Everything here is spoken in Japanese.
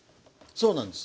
そうなんです。